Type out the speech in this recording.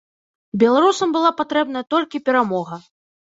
Беларусам была патрэбная толькі перамога.